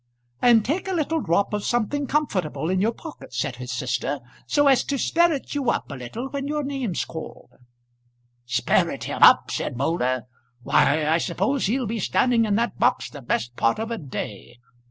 "And take a little drop of something comfortable in your pocket," said his sister, "so as to sperrit you up a little when your name's called." "Sperrit him up!" said Moulder; "why I suppose he'll be standing in that box the best part of a day.